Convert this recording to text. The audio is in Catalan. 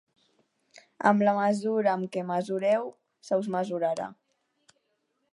Amb la mesura amb què mesureu, se us mesurarà.